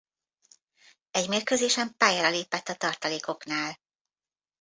Egy mérkőzésen pályára lépett a tartalékoknál.